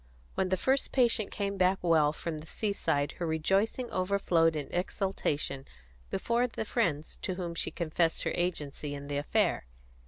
When the first patient came back well from the seaside her rejoicing overflowed in exultation before the friends to whom she confessed her agency in the affair.